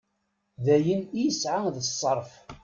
D ayen i sεiɣ d ṣṣerf.